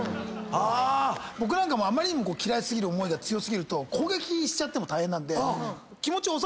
僕なんか嫌い過ぎる思いが強過ぎると攻撃しちゃっても大変なんで。